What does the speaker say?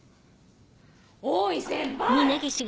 大井先輩！